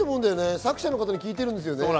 作者の方に聞いてるんですよね。